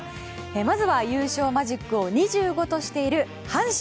まずは優勝マジックを２５としている阪神。